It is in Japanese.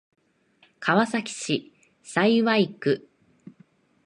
川崎市幸区